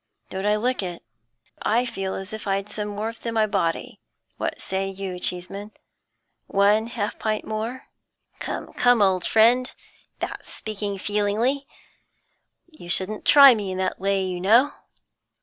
Don't I look it? I feel as if I'd some warmth in my body. What say you, Cheeseman? One half pint more?' 'Come, come, old friend; that's speaking feelingly. You shouldn't try me in that way, you know.